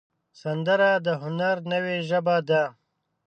سندره د هنر نوې ژبه ده